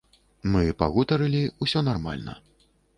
Мы пагутарылі, усё нармальна.